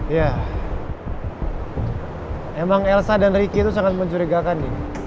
ya emang elsa dan ricky itu sangat mencurigakan